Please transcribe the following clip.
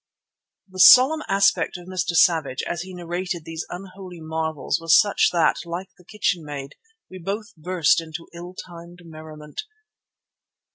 The solemn aspect of Mr. Savage as he narrated these unholy marvels was such that, like the kitchenmaid, we both burst into ill timed merriment.